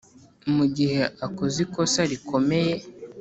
mu gihe akoze ikosa rikomeye